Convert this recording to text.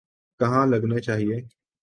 کہاں لگنے چاہئیں۔